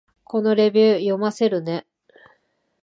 このレビュー、読ませるね